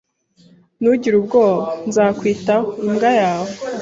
Ntugire ubwoba. Nzakwitaho imbwa yawe